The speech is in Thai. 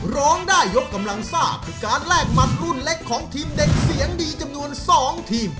ร้องได้ยกกำลังซ่าคือการแลกหมัดรุ่นเล็กของทีมเด็กเสียงดีจำนวน๒ทีม